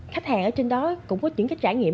khách hàng ở trên đó cũng có những cái trải nghiệm